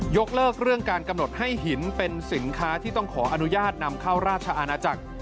ยกเลิกเรื่องการกำหนดให้หินเป็นสินค้าที่ต้องขออนุญาตนำเข้าราชอาณาจักร